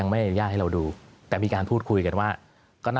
มีอีกห้อกระวหาค่ะ